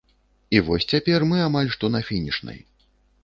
І вось цяпер мы амаль што на фінішнай.